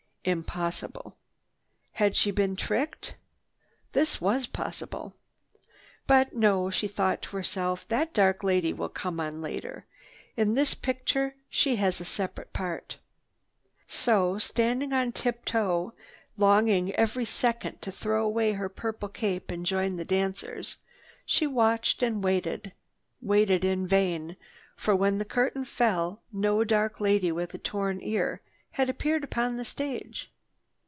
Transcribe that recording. Impossible. Had she been tricked? This was possible. "But no," she thought to herself. "That dark lady will come on later. In this picture she has a separate part." So, standing on tip toe, longing every second to throw away her purple cape and join the dancers, she watched and waited—waited in vain for, when the curtain fell, no dark lady with a torn ear had appeared upon the stage.